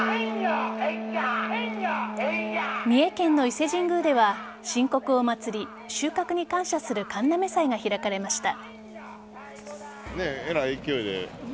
三重県の伊勢神宮では新穀をまつり収穫に感謝する神嘗祭が開かれました。